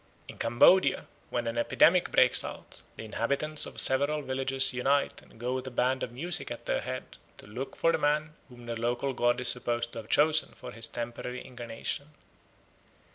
In Cambodia, when an epidemic breaks out, the inhabitants of several villages unite and go with a band of music at their head to look for the man whom the local god is supposed to have chosen for his temporary incarnation.